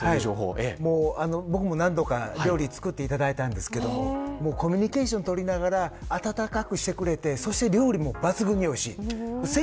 僕も何度か料理を作っていただきましたがコミュニケーションを取りながら温かくしてくれて料理も抜群においしいです。